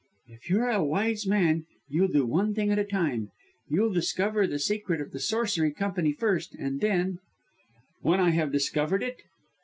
"If you're a wise man, you'll do one thing at a time. You'll discover the secret of the Sorcery Company first, and then " "When I have discovered it?"